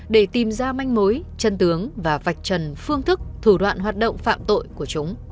để tìm ra manh mối chân tướng và vạch trần phương thức thủ đoạn hoạt động phạm tội của chúng